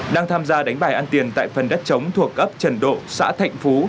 đang tham gia đánh bài ăn tiền tại phần đất chống thuộc ấp trần độ xã thạnh phú